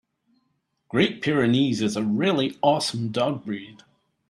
Great Pyrenees is a really awesome dog breed.